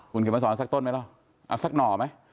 มึงเกี่ยวกับสอนสักต้นไหมหรอหรือสักหน่อไหม